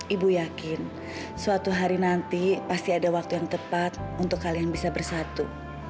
ibu yakin suatu hari nanti pasti ada waktu yang tepat untuk kalian bisa bersatu